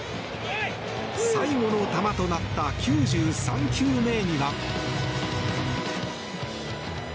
最後の球となった９３球目には。